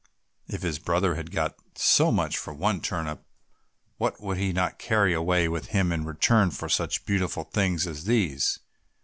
If his brother had got so much for one turnip, what would he not carry away with him in return for such beautiful things as these?